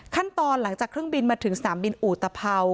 ขั้นตอนหลังจากเครื่องบินมาถึงสนามบินอุตภัว